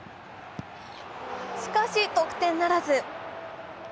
しかし、得点ならず。